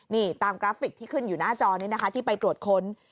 นี่ตามกราฟิกที่ขึ้นอยู่หน้าจอนี้นะคะที่ไปตรวจค้น